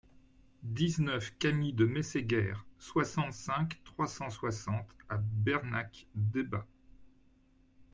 dix-neuf cami de Mességuères, soixante-cinq, trois cent soixante à Bernac-Debat